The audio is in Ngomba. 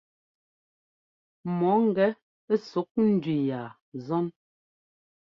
Mɔ ŋgɛ ɛsuk ndʉ ya zɔ́n.